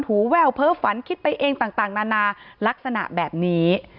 หูแว่วเพ้อฝันคิดไปเองต่างนานาลักษณะแบบนี้